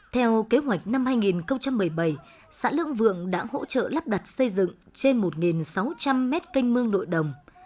theo kế hoạch năm hai nghìn một mươi bảy xã lương vượng đã hỗ trợ lắp đặt xây dựng trên một sáu trăm linh mét canh mương nội đồng